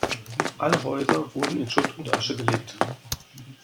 Alle Häuser wurden in Schutt und Asche gelegt.